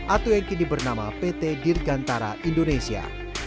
atau yang kini bernama pt dirgantara indonesia